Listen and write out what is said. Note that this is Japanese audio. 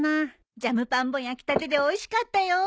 ジャムパンも焼きたてでおいしかったよ。